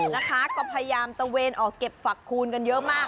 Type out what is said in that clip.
นะคะก็พยายามตะเวนออกเก็บฝักคูณกันเยอะมาก